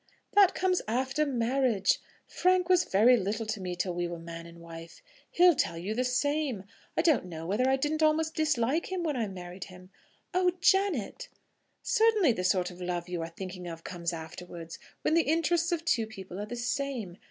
"That comes after marriage. Frank was very little to me till we were man and wife. He'll tell you the same. I don't know whether I didn't almost dislike him when I married him." "Oh, Janet!" "Certainly the sort of love you are thinking of comes afterwards; when the interests of two people are the same.